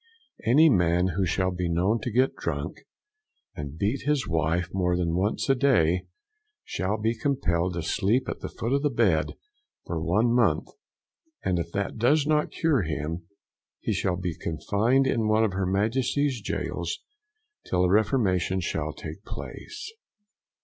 Any man who shall be known to get drunk, and beat his wife more than once a day, shall be compelled to sleep at the foot of the bed for one month; and if that does not cure him, he shall be confined in one of her Majesty's Gaols till a reformation shall take place.